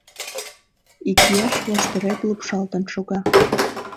Икияш воштырет лупшалтын шога.